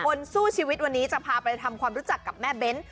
คนสู้ชีวิตวันนี้จะพาไปทำความรู้จักกับแม่เบ้น